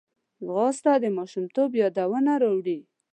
ځغاسته د ماشومتوب یادونه راولي